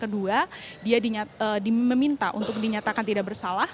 kedua dia diminta untuk dinyatakan tidak bersalah